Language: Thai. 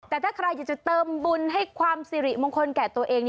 แต่ถ้าใครอยากจะเติมบุญให้ความสิริมงคลแก่ตัวเอง